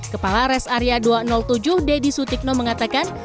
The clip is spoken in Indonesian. kepala res area dua ratus tujuh deddy sutikno mengatakan